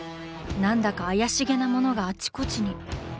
何だか怪しげなものがあちこちに。